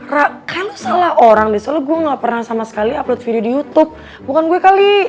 ra kayaknya lo salah orang deh soalnya gue nggak pernah sama sekali upload video di youtube bukan gue kali